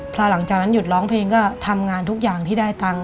พอหลังจากนั้นหยุดร้องเพลงก็ทำงานทุกอย่างที่ได้ตังค์